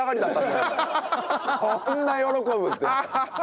こんな喜ぶって。